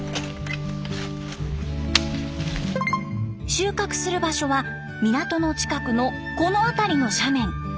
収穫する場所は港の近くのこの辺りの斜面。